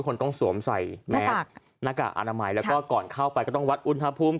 ก่อนเกิดเข้าไปก็ต้องวัดอุณฑภูมิ